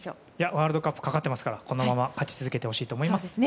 ワールドカップかかってますからこのまま勝ち続けてほしいと思います。